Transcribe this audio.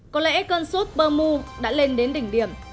có lẽ cơn suốt bờ mù đã lên đến đỉnh điểm